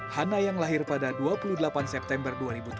hana yang lahir pada dua puluh delapan september dua ribu tujuh belas